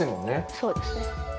そうですね。